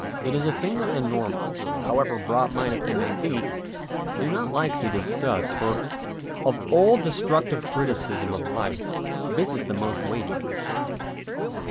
It is a thing that the normal, however broadminded they may be, do not like to discuss, for of all destructive criticism of life this is the most weighty.